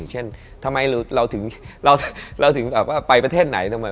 เช่นถ้าไม่รู้เราถึงเราเราถึงจับว่าไปประเทศไหน